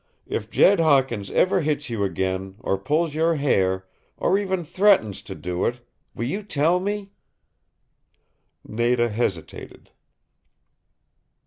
If Jed Hawkins ever hits you again, or pulls your hair, or even threatens to do it will you tell me?" Nada hesitated.